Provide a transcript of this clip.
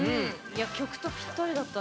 曲とぴったりだったな。